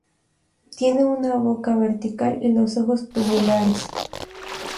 Tiene una boca vertical y los ojos tubulares.